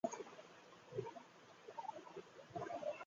খোদা হাফেজ, বন্ধ।